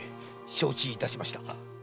承知いたしました。